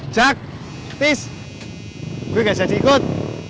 jak tis gue gak bisa ikut